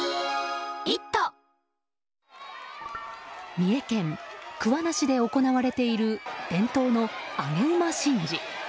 三重県桑名市で行われている伝統の上げ馬神事。